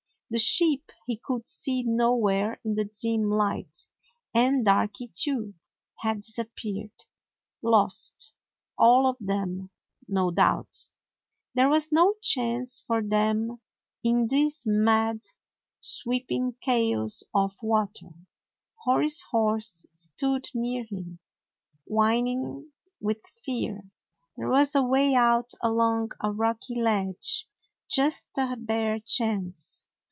The sheep he could see nowhere in the dim light, and Darky, too, had disap peared. Lost, all of them, no doubt. There was no chance for them in this mad, sweeping chaos of water. Hori's horse stood near him, whinnying with fear. There was a way out along a rocky ledge; just a bare chance.